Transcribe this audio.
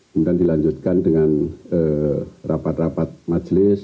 kemudian dilanjutkan dengan rapat rapat majelis